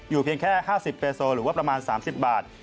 เพียงแค่๕๐เบโซหรือว่าประมาณ๓๐บาท